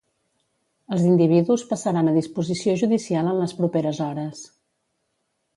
Els individus passaran a disposició judicial en les properes hores.